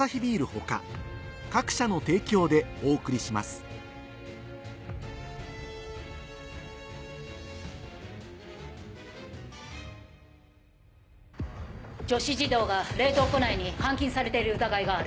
クソ‼女子児童が冷凍庫内に監禁されている疑いがある。